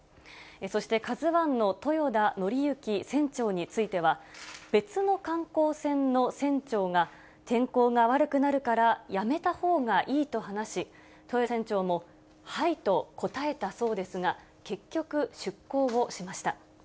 そしてカズワンの豊田徳幸船長については、別の観光船の船長が、天候が悪くなるからやめたほうがいいと話し、豊田船長も、はいと答えたそうですが、結局、出航をしました。